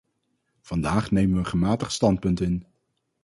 Vandaag nemen we een gematigd standpunt in.